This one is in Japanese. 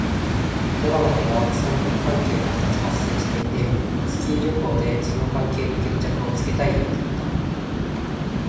ドラマでは三角関係が二つ発生していて、スキー旅行でその関係の決着をつけたいようだった。